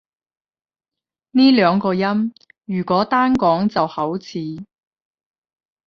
呢兩個音如果單講就好似